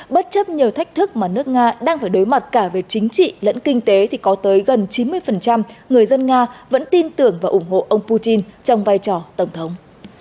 bất chấp nhiều thách thức mà nước nga đang phải đối mặt cả về chính trị lẫn kinh tế thì có tới gần chín mươi người dân nga vẫn tin tưởng và ủng hộ ông putin trong vai trò tổng thống